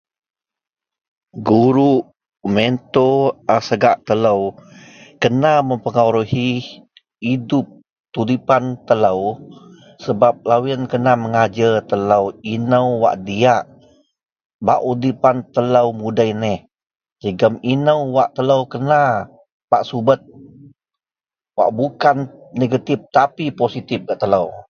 Guru mentor a segak telo kena mempengaruhi hidup tudipan telo sebab loyen kena mengajer telo ino wak diyak bak udipan telo mudei neh jegem ino wak telo kena bak subet wak bukan negetif tapi positif gak telo.